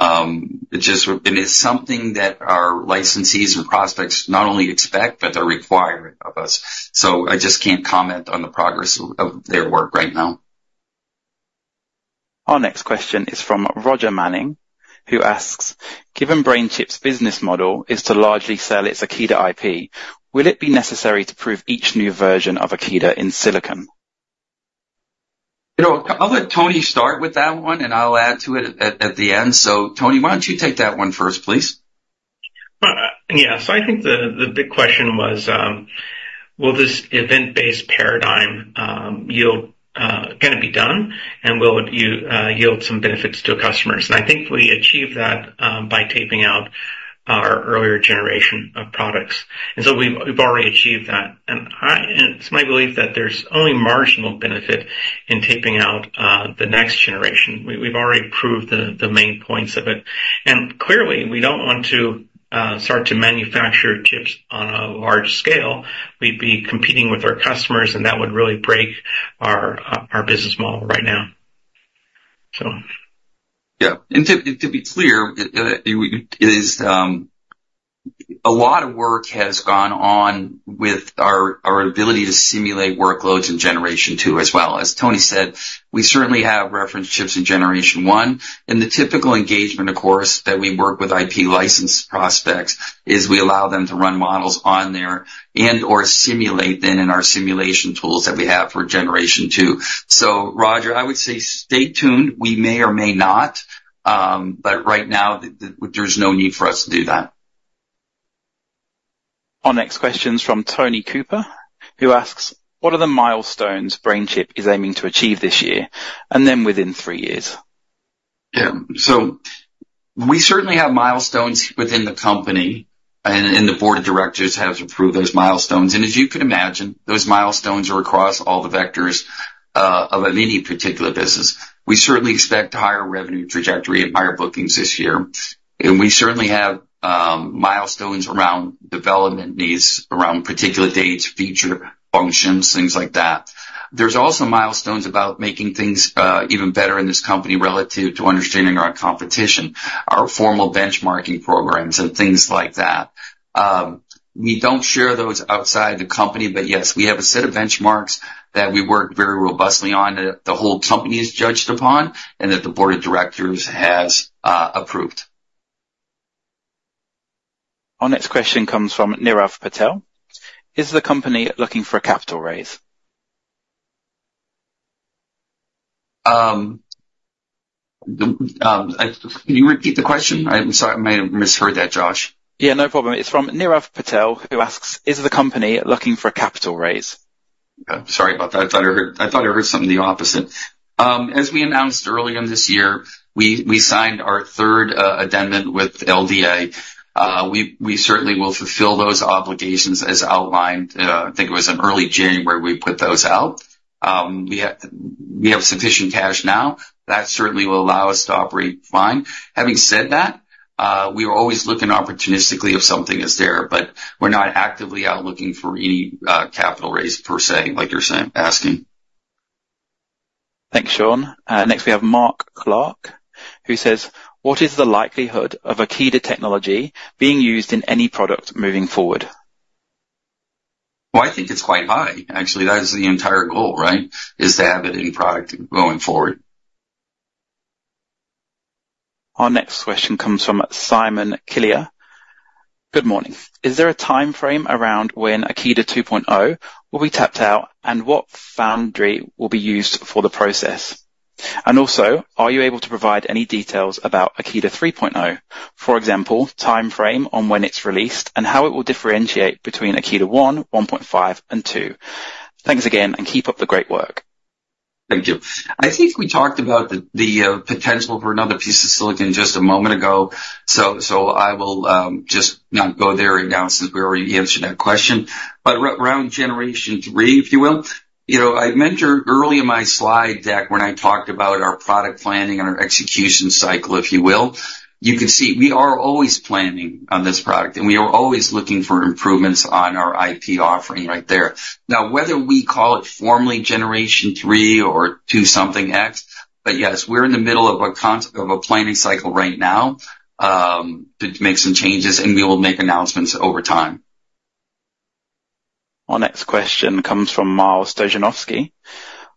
It's something that our licensees and prospects not only expect, but they're requiring of us. I just can't comment on the progress of their work right now. Our next question is from Roger Manning, who asks, "Given BrainChip's business model is to largely sell its Akida IP, will it be necessary to prove each new version of Akida in silicon?" I'll let Tony start with that one, and I'll add to it at the end. Tony, why don't you take that one first, please? Yeah. So I think the big question was, will this event-based paradigm going to be done, and will it yield some benefits to customers? And I think we achieved that by taping out our earlier generation of products. And so we've already achieved that. And it's my belief that there's only marginal benefit in taping out the next generation. We've already proved the main points of it. And clearly, we don't want to start to manufacture chips on a large scale. We'd be competing with our customers, and that would really break our business model right now, so. Yeah. And to be clear, a lot of work has gone on with our ability to simulate workloads in generation two as well. As Tony said, we certainly have reference chips in generation one. And the typical engagement, of course, that we work with IP license prospects is we allow them to run models on there and/or simulate them in our simulation tools that we have for generation two. So Roger, I would say stay tuned. We may or may not. But right now, there's no need for us to do that. Our next question's from Tony Cooper, who asks, "What are the milestones BrainChip is aiming to achieve this year and then within three years?" Yeah. So we certainly have milestones within the company, and the board of directors has approved those milestones. And as you can imagine, those milestones are across all the vectors of any particular business. We certainly expect a higher revenue trajectory and higher bookings this year. And we certainly have milestones around development needs, around particular dates, feature functions, things like that. There's also milestones about making things even better in this company relative to understanding our competition, our formal benchmarking programs, and things like that. We don't share those outside the company, but yes, we have a set of benchmarks that we work very robustly on that the whole company is judged upon and that the board of directors has approved. Our next question comes from Nirav Patel. "Is the company looking for a capital raise?" Can you repeat the question? I'm sorry. I may have misheard that, Josh. Yeah, no problem. It's from Nirav Patel, who asks, "Is the company looking for a capital raise? Okay. Sorry about that. I thought I heard something the opposite. As we announced earlier this year, we signed our third addendum with LDA. We certainly will fulfill those obligations as outlined. I think it was in early January we put those out. We have sufficient cash now. That certainly will allow us to operate fine. Having said that, we are always looking opportunistically if something is there, but we're not actively out looking for any capital raise per se, like you're asking. Thanks, Sean. Next, we have Mark Clark, who says, "What is the likelihood of Akida technology being used in any product moving forward? Well, I think it's quite high, actually. That is the entire goal, right, is to have it in product going forward. Our next question comes from Simon Killier. "Good morning. Is there a timeframe around when Akida 2.0 will be taped out, and what foundry will be used for the process? And also, are you able to provide any details about Akida 3.0, for example, timeframe on when it's released and how it will differentiate between Akida 1, 1.5, and 2? Thanks again, and keep up the great work. Thank you. I think we talked about the potential for another piece of silicon just a moment ago, so I will just not go there right now since we already answered that question. But around generation three, if you will, I mentioned early in my slide deck when I talked about our product planning and our execution cycle, if you will. You can see we are always planning on this product, and we are always looking for improvements on our IP offering right there. Now, whether we call it formally generation 3 or 2-something X, but yes, we're in the middle of a planning cycle right now to make some changes, and we will make announcements over time. Our next question comes from Miles Dozhanovsky.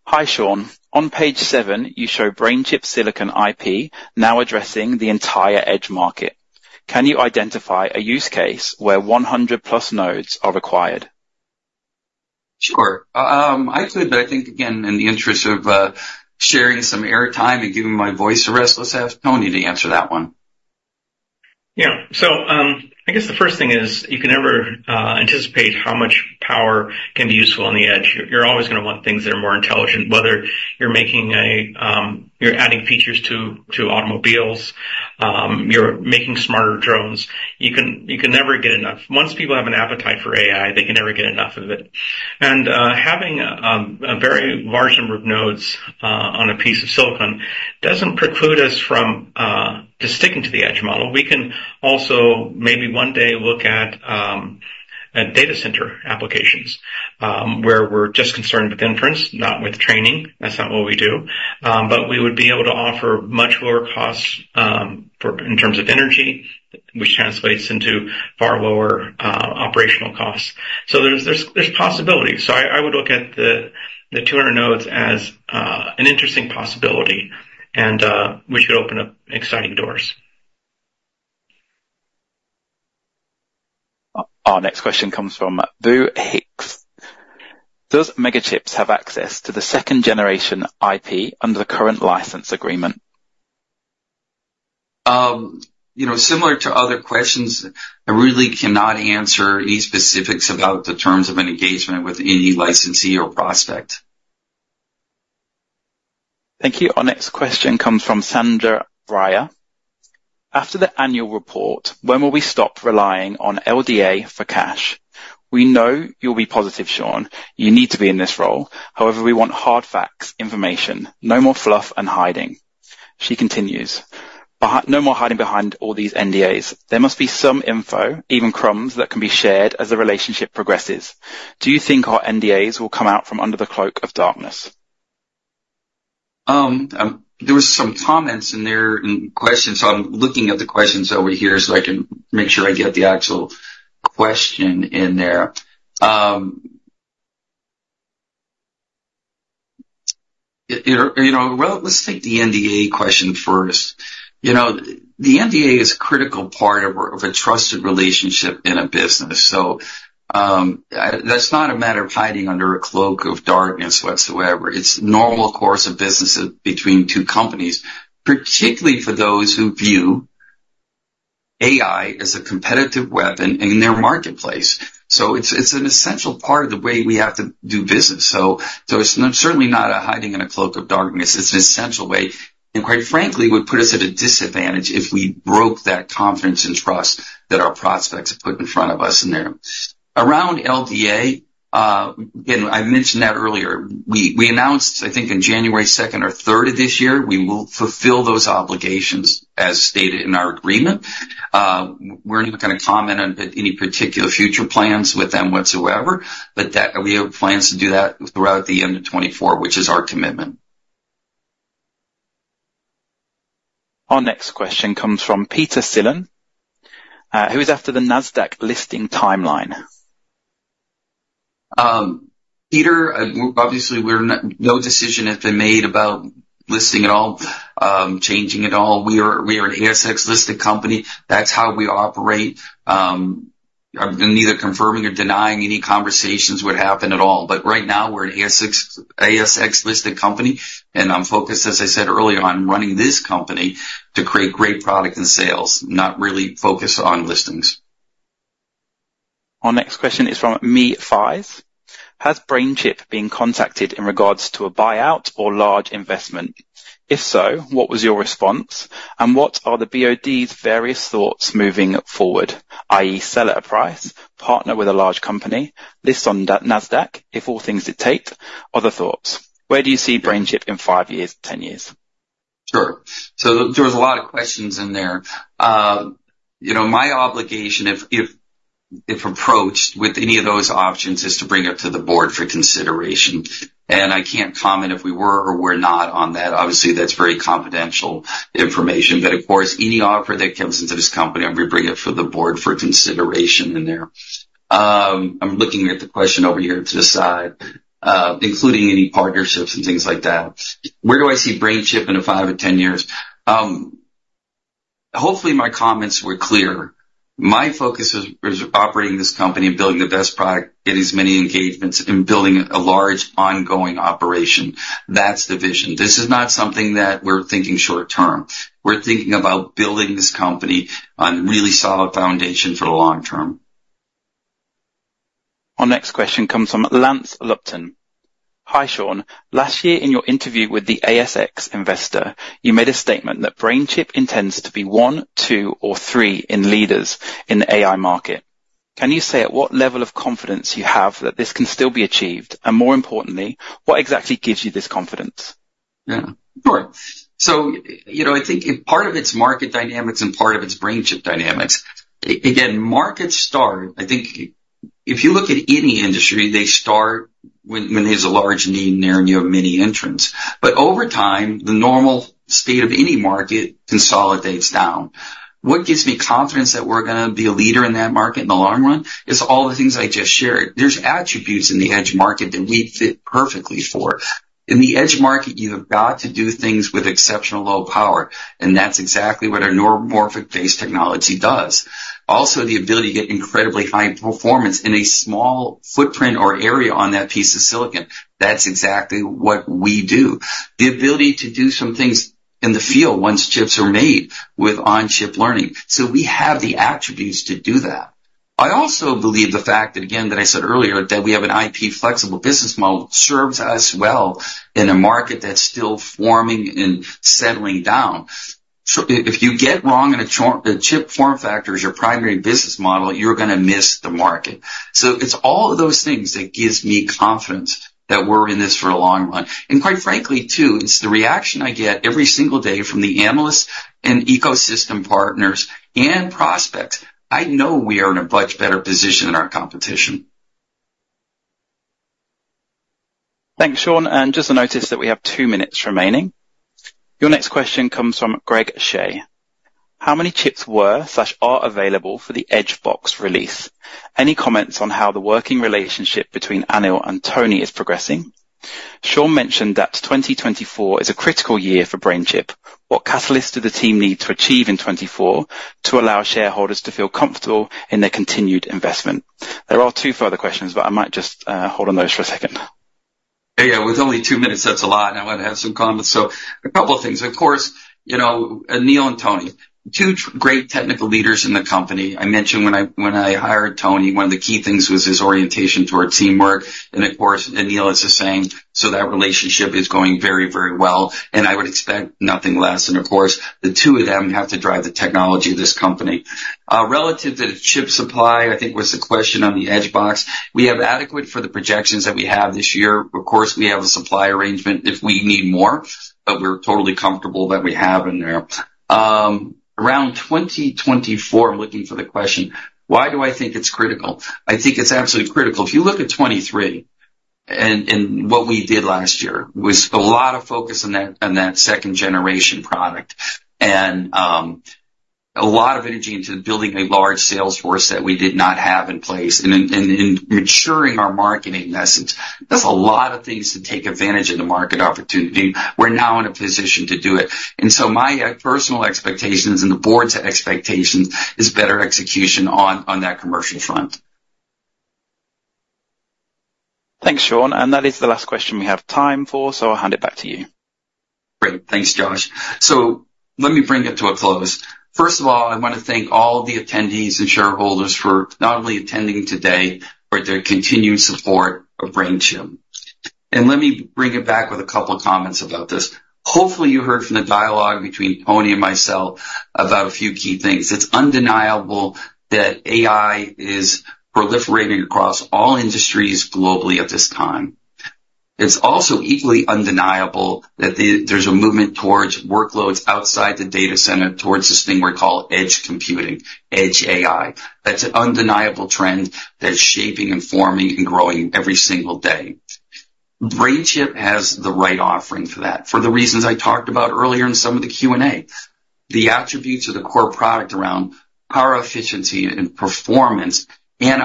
"Hi, Sean. On page seven, you show BrainChip silicon IP now addressing the entire edge market. Can you identify a use case where 100+ nodes are required?" Sure. I could, but I think, again, in the interest of sharing some airtime and giving my voice a rest, let's have Tony to answer that one. Yeah. So I guess the first thing is you can never anticipate how much power can be useful on the edge. You're always going to want things that are more intelligent, whether you're adding features to automobiles, you're making smarter drones. You can never get enough. Once people have an appetite for AI, they can never get enough of it. And having a very large number of nodes on a piece of silicon doesn't preclude us from sticking to the edge model. We can also maybe one day look at data center applications where we're just concerned with inference, not with training. That's not what we do. But we would be able to offer much lower costs in terms of energy, which translates into far lower operational costs. So there's possibilities. So I would look at the 200 nodes as an interesting possibility, and we should open up exciting doors. Our next question comes from Boo Hicks. "Does MegaChips have access to the second-generation IP under the current license agreement?" Similar to other questions, I really cannot answer any specifics about the terms of an engagement with any licensee or prospect. Thank you. Our next question comes from Sandra Briar. "After the annual report, when will we stop relying on LDA for cash?" We know you'll be positive, Sean. You need to be in this role. However, we want hard facts, information, no more fluff and hiding. She continues, "No more hiding behind all these NDAs. There must be some info, even crumbs, that can be shared as the relationship progresses. Do you think our NDAs will come out from under the cloak of darkness?" There were some comments in there and questions. So I'm looking at the questions over here so I can make sure I get the actual question in there. Well, let's take the NDA question first. The NDA is a critical part of a trusted relationship in a business. So that's not a matter of hiding under a cloak of darkness whatsoever. It's a normal course of business between two companies, particularly for those who view AI as a competitive weapon in their marketplace. So it's an essential part of the way we have to do business. So it's certainly not hiding in a cloak of darkness. It's an essential way and, quite frankly, would put us at a disadvantage if we broke that confidence and trust that our prospects have put in front of us in there. Around LDA, again, I mentioned that earlier. We announced, I think, on January 2nd or 3rd of this year, we will fulfill those obligations as stated in our agreement. We're not going to comment on any particular future plans with them whatsoever, but we have plans to do that throughout the end of 2024, which is our commitment. Our next question comes from Peter Sillon, who is after the Nasdaq listing timeline. Peter, obviously, no decision has been made about listing at all, changing at all. We are an ASX-listed company. That's how we operate. I'm neither confirming or denying any conversations would happen at all. But right now, we're an ASX-listed company, and I'm focused, as I said earlier, on running this company to create great product and sales, not really focused on listings. Our next question is from Mee Fives. "Has BrainChip been contacted in regards to a buyout or large investment? If so, what was your response? And what are the BOD's various thoughts moving forward, i.e., sell at a price, partner with a large company, list on Nasdaq if all things dictate? Other thoughts. Where do you see BrainChip in five years, 10 years? Sure. So there was a lot of questions in there. My obligation, if approached with any of those options, is to bring it to the board for consideration. And I can't comment if we were or were not on that. Obviously, that's very confidential information. But of course, any offer that comes into this company, I'm going to bring it for the board for consideration in there. I'm looking at the question over here to the side, including any partnerships and things like that. "Where do I see BrainChip in five or 10 years?" Hopefully, my comments were clear. My focus is operating this company and building the best product, getting as many engagements, and building a large ongoing operation. That's the vision. This is not something that we're thinking short-term. We're thinking about building this company on a really solid foundation for the long term. Our next question comes from Lance Lupton. "Hi, Sean. Last year, in your interview with the ASX investor, you made a statement that BrainChip intends to be one, two, or three in leaders in the AI market. Can you say at what level of confidence you have that this can still be achieved? And more importantly, what exactly gives you this confidence?" Yeah. Sure. So I think part of its market dynamics and part of its BrainChip dynamics again, markets start. I think if you look at any industry, they start when there's a large need in there and you have many entrants. But over time, the normal state of any market consolidates down. What gives me confidence that we're going to be a leader in that market in the long run is all the things I just shared. There's attributes in the edge market that we fit perfectly for. In the edge market, you have got to do things with exceptionally low power, and that's exactly what our neuromorphic-based technology does. Also, the ability to get incredibly high performance in a small footprint or area on that piece of silicon, that's exactly what we do. The ability to do some things in the field once chips are made with on-chip learning. So we have the attributes to do that. I also believe the fact that, again, that I said earlier, that we have an IP-flexible business model serves us well in a market that's still forming and settling down. If you get wrong in a chip form factor as your primary business model, you're going to miss the market. So it's all of those things that gives me confidence that we're in this for the long run. And quite frankly, too, it's the reaction I get every single day from the analysts and ecosystem partners and prospects. I know we are in a much better position than our competition. Thanks, Sean. And just a notice that we have two minutes remaining. Your next question comes from Greg Shea. "How many chips were/are available for the EdgeBox release? Any comments on how the working relationship between Anil and Tony is progressing? Sean mentioned that 2024 is a critical year for BrainChip. What catalysts do the team need to achieve in 2024 to allow shareholders to feel comfortable in their continued investment?" There are two further questions, but I might just hold on those for a second. Yeah, yeah. With only two minutes, that's a lot, and I want to have some comments. So a couple of things. Of course, Anil and Tony, two great technical leaders in the company. I mentioned when I hired Tony, one of the key things was his orientation toward teamwork. And of course, Anil is the same. So that relationship is going very, very well. And I would expect nothing less. And of course, the two of them have to drive the technology of this company. Relative to the chip supply, I think was the question on the EdgeBox. We have adequate for the projections that we have this year. Of course, we have a supply arrangement if we need more, but we're totally comfortable that we have in there. Around 2024, I'm looking for the question, "Why do I think it's critical?" I think it's absolutely critical. If you look at 2023 and what we did last year, it was a lot of focus on that second-generation product and a lot of energy into building a large salesforce that we did not have in place and maturing our marketing lessons. That's a lot of things to take advantage of the market opportunity. We're now in a position to do it. So my personal expectations and the board's expectations is better execution on that commercial front. Thanks, Sean. That is the last question we have time for, so I'll hand it back to you. Great. Thanks, Josh. So let me bring it to a close. First of all, I want to thank all the attendees and shareholders for not only attending today but their continued support of BrainChip. And let me bring it back with a couple of comments about this. Hopefully, you heard from the dialogue between Tony and myself about a few key things. It's undeniable that AI is proliferating across all industries globally at this time. It's also equally undeniable that there's a movement towards workloads outside the data center, towards this thing we call edge computing, edge AI. That's an undeniable trend that's shaping and forming and growing every single day. BrainChip has the right offering for that for the reasons I talked about earlier in some of the Q&A, the attributes of the core product around power efficiency and performance and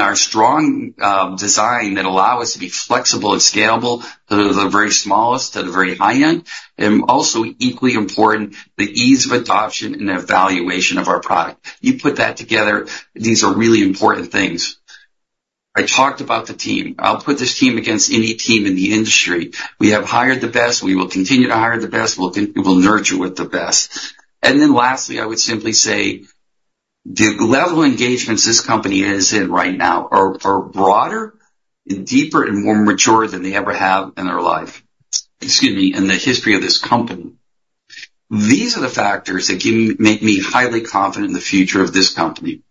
our strong design that allow us to be flexible and scalable from the very smallest to the very high end. Also equally important, the ease of adoption and evaluation of our product. You put that together, these are really important things. I talked about the team. I'll put this team against any team in the industry. We have hired the best. We will continue to hire the best. We will nurture with the best. Then lastly, I would simply say the level of engagements this company is in right now are broader and deeper and more mature than they ever have in their life excuse me, in the history of this company. These are the factors that make me highly confident in the future of this company.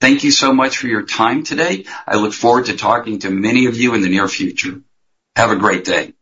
Thank you so much for your time today. I look forward to talking to many of you in the near future. Have a great day.